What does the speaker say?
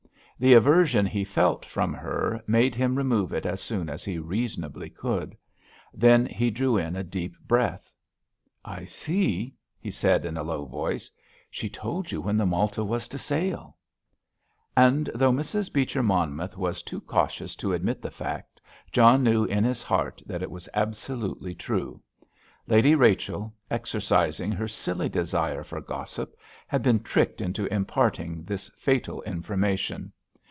The aversion he felt from her made him remove it as soon as he reasonably could. Then he drew in a deep breath. "I see," he said, in a low voice, "she told you when the Malta was to sail." And though Mrs. Beecher Monmouth was too cautious to admit the fact, John knew in his heart that it was absolutely true. Lady Rachel, exercising her silly desire for gossip, had been tricked into imparting this fatal information.